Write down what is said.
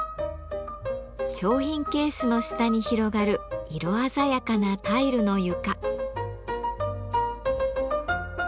商品ケースの下に広がる色鮮やかなタイルの床。